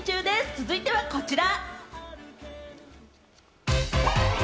続いてはこちら。